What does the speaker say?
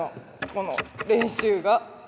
この練習が。